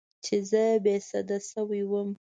چې زه بې سده شوې وم.